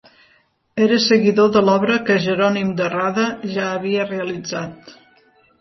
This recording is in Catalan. Era seguidor de l'obra que Jeronim De Rada ja havia realitzat.